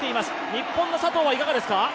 日本の佐藤はいかがですか？